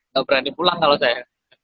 gak berani pulang kalau saya